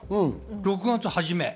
６月初め。